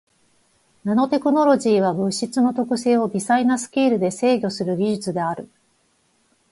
ナノテクノロジーは物質の特性を微細なスケールで制御する技術である。